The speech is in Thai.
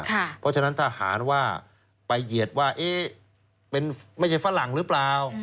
เพราะฉะนั้นทหารว่าไปเหยียดว่าไม่ใช่ฝรั่งหรือเปล่า